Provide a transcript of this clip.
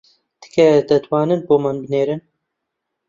تکایە دەتوانن بۆمان بنێرن